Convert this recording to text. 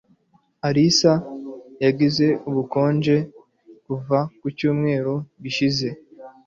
Alice yagize ubukonje kuva ku cyumweru gishize.